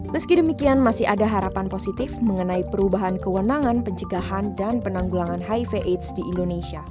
meski demikian masih ada harapan positif mengenai perubahan kewenangan pencegahan dan penanggulangan hiv aids di indonesia